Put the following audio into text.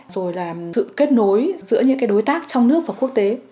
rồi là sự kết nối giữa những đối tác trong nước và quốc tế